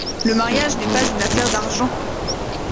Le mariage n’est pas une affaire d’argent.